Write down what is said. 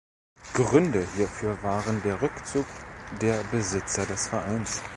Gründe hierfür waren der Rückzug der Besitzer des Vereins.